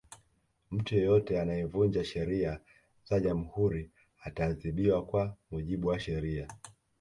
mtu yeyote anayevunja sheria za jamhuri ataadhibiwa kwa mujibu wa sheria